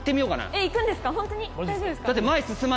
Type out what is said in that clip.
大丈夫ですか？